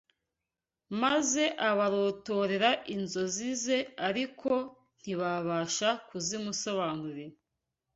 maze abarotorera inzozi ze ariko ntibabasha kuzimusobanurira